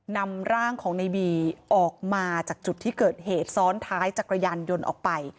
นำร่างของในบีออกมาจากจุดที่เกิดเหตุซ้อนท้ายจักรยานยนต์ออกไป